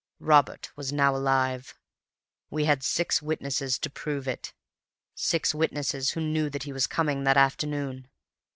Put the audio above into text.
Robert was now alive—we had six witnesses to prove it; six witnesses who knew that he was coming that afternoon.